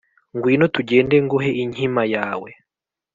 ‘ngwino tugende nguhe inkima yawe